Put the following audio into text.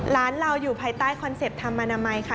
ร้านเราอยู่ภายใต้คอนเซ็ปต์ธรรมนามัยค่ะ